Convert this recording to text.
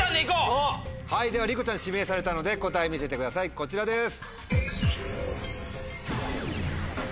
ではりこちゃん指名されたので答え見せてくださいこちらです。